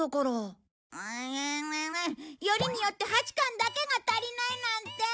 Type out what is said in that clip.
うぐぐぐよりによって８巻だけが足りないなんて。